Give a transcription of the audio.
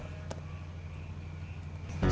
tapi isinya kecil